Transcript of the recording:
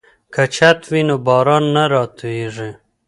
که چت وي نو باران نه راتوییږي.